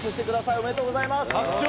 おめでとうございます。